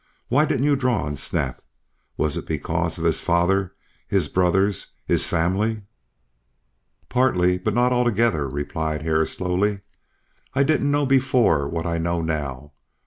Why didn't you draw on Snap? Was it because of his father, his brothers, his family?" "Partly, but not altogether," replied Hare, slowly. "I didn't know before what I know now.